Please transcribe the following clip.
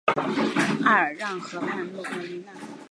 阿尔让河畔罗科布吕讷。